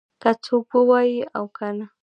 که څوک ووایي او کنه